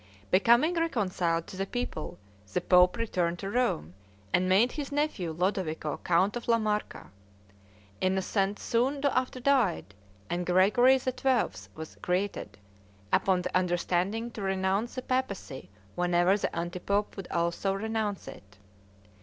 Becoming reconciled to the people, the pope returned to Rome, and made his nephew Lodovico count of La Marca. Innocent soon after died, and Gregory XII. was created, upon the understanding to renounce the papacy whenever the anti pope would also renounce it.